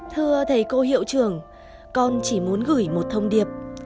thưa thầy cô hiệu trưởng con chỉ muốn gửi một thông điệp